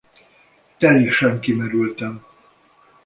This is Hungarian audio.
Teljesen kimerültem.